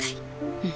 うん。